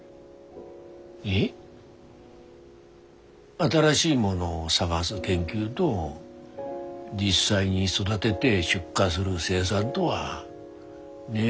新しいものを探す研究ど実際に育でで出荷する生産どはねえ